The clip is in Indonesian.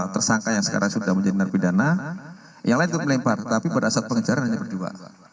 tersangka yang sekarang sudah menjadi narbidana yang lain itu melempar tapi berasal pengejaran hanya berdua